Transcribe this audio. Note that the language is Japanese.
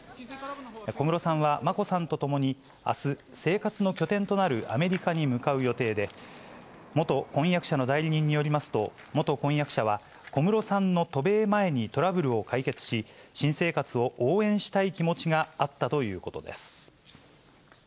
小室さんは眞子さんと共に、あす、生活の拠点となるアメリカに向かう予定で、元婚約者の代理人によりますと、元婚約者は、小室さんの渡米前にトラブルを解決し、新生活を応援したい気持ちがあったということです。